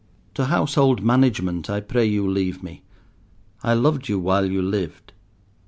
to household management, I pray you leave me. I loved you while you lived.